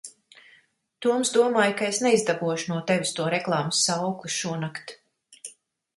Toms domāja, ka es neizdabūšu no tevis to reklāmas saukli šonakt.